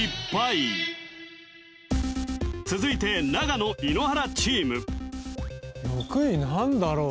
続いて長野井ノ原チーム６位何だろう？